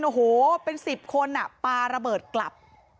โอ้โหเป็น๑๐คนปลาระเบิดกลับ